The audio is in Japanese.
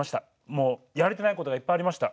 もうやれてないことがいっぱいありました。